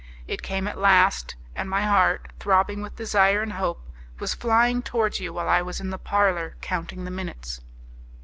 It came at last! and my heart, throbbing with desire and hope, was flying towards you while I was in the parlour counting the minutes!